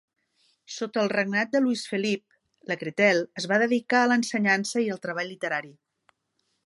Sota al regnat de Luis Felip, Lacretelle es va dedicar a l"ensenyança i el treball literari.